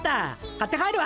買って帰るわ。